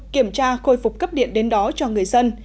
kiểm tra khôi phục cấp điện đến đó cho người dân